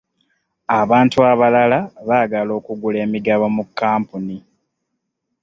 Abantu abalala baagala okugula emigabo mu kampuni.